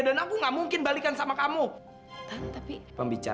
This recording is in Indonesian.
dan aku gak mungkin balik lagi sama dia